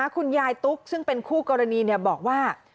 คุณยายตุ๊กซึ่งเป็นคู่กรณีบอกว่า